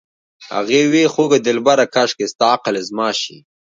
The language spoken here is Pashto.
هغې وې خوږه دلبره کاشکې ستا عقل زما شي